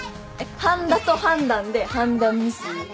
半田と判断で判断ミス。